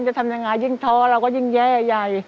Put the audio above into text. จะทำยังไงยิ่งท้อเราก็ยิ่งแย่ใหญ่